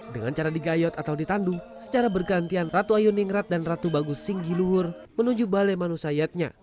dengan cara digayot atau ditandu secara bergantian ratu ayu ningrat dan ratu bagus singgiluhur menuju balai manusia